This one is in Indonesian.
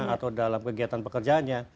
atau dalam kegiatan pekerjaannya